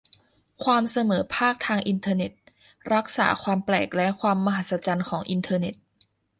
ความเสมอภาคทางอินเทอร์เน็ตรักษาความแปลกและความมหัศจรรย์ของอินเทอร์เน็ต